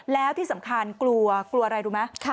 แล้วที่สำคัญกลัวกลัวอะไรรู้ไหม